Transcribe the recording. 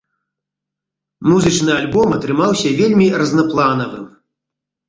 Музычна альбом атрымаўся вельмі разнапланавым.